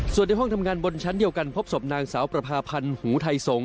ส่วนในห้องทำงานบนชั้นเดียวกันพบศพนางสาวประพาพันธ์หูไทยสงศ